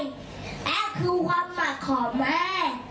และคุณความหมัดของแม่